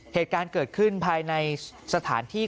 เหตุการณ์เกิดขึ้นภายในสถานที่